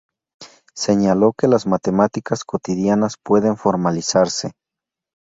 Señaló que las matemáticas cotidianas pueden formalizarse.